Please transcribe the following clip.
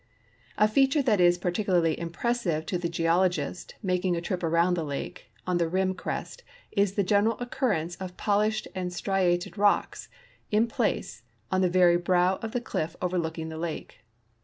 A feature that is particularly impressive to the geologist mak ing a trip around the lake on the rim crest is the general occur rence of polished and striated rocks, in place, on the very brow of the cliff overlooking the lake.